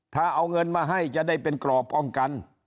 ถ้าเอาเงินมาให้จะได้เป็นกรอบป้องกัน